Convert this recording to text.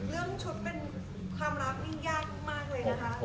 เรื่องชุดเป็นความรักยิ่งยากมากเลยนะคะ